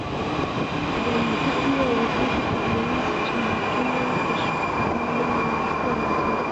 د ځمکې او وريځو ترمنځ چارجونو تشوالی منځته راځي.